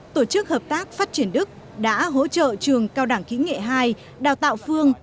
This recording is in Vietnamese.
tổ chức hợp tác phát triển đức đã hỗ trợ trường cao đẳng kỹ nghệ hai đào tạo phương